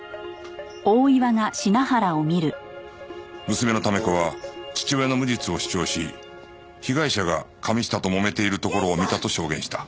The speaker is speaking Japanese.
娘の試子は父親の無実を主張し被害者が神下ともめているところを見たと証言した